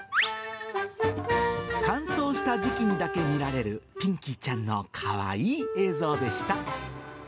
乾燥した時期にだけ見られる、ピンキーちゃんのかわいい映像でした。